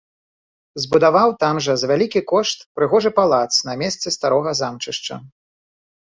Збудаваў там жа за вялікі кошт прыгожы палац на месцы старога замчышча.